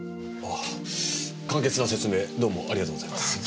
あ簡潔な説明どうもありがとうございます。